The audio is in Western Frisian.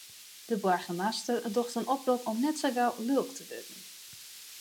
De boargemaster docht in oprop om net sa gau lulk te wurden.